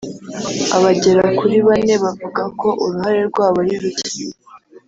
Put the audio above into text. Abagera kuri bane bavuga ko uruhare rwabo ariruke.